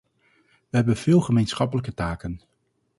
We hebben veel gemeenschappelijke taken.